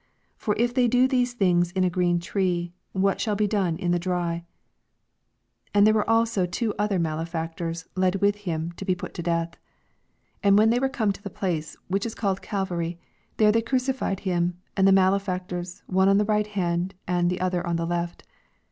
81 For if they do these thin^ in a ereen tree, what shall be done in the 82 And there were also two other, malefactors, led with him, to be put to death. 33 And when thev were come to the place, which is called Calvary, there they crucified him, and the malefao tors, one on the right hand, and the other on the left.